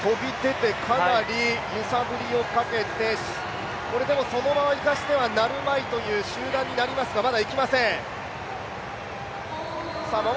かなり揺さぶりをかけて、これ、でもそのまま行かせてはなるまいという集団になりますか、まだ行きません。